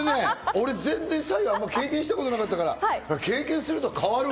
俺、全然白湯を経験したことなかったから、経験すると変わるわ。